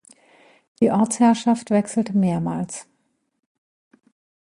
Die Ortsherrschaft wechselte mehrmals.